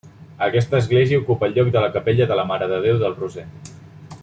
Aquesta església ocupa el lloc de la capella de la Mare de Déu del Roser.